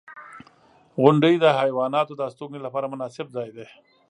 • غونډۍ د حیواناتو د استوګنې لپاره مناسب ځای دی.